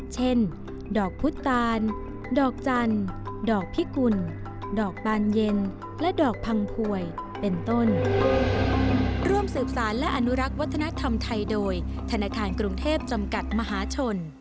เช่นดอกพุธตานดอกจันทร์ดอกพิกุลดอกบานเย็นและดอกพังพวยเป็นต้น